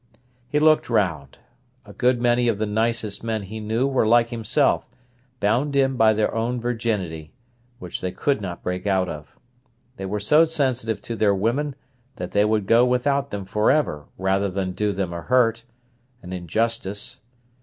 He looked round. A good many of the nicest men he knew were like himself, bound in by their own virginity, which they could not break out of. They were so sensitive to their women that they would go without them for ever rather than do them a hurt, an injustice.